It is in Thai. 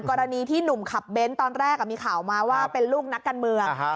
กรณีที่หนุ่มขับเบ้นตอนแรกมีข่าวมาว่าเป็นลูกนักการเมือง